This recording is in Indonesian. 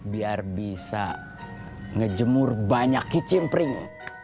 biar bisa ngejemur banyak kicimpring